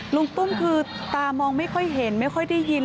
ตุ้มคือตามองไม่ค่อยเห็นไม่ค่อยได้ยิน